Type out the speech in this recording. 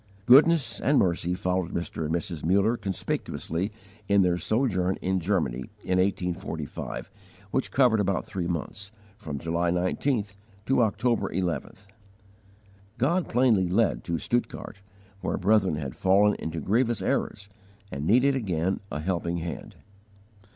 Goodness and mercy followed Mr. and Mrs. Muller conspicuously in their sojourn in Germany in 1845, which covered about three months, from July 19th to October 11th. God plainly led to Stuttgart, where brethren had fallen into grievous errors and needed again a helping hand.